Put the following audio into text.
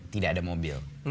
tidak ada mobil